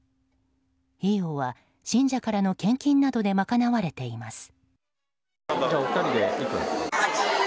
費用は信者からの献金などでまかなわれています。